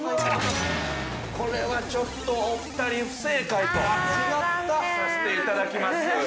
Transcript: ◆これはちょっとお二人不正解とさせていただきます。